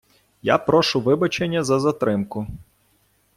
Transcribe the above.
Я прошу вибачення за затримку!